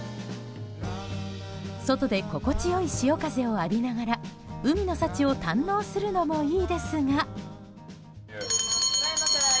外で心地よい潮風を浴びながら海の幸を堪能するのもいいですが。